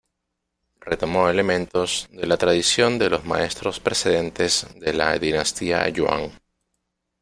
Retomó elementos de la tradición de los maestros precedentes de la dinastía Yuan.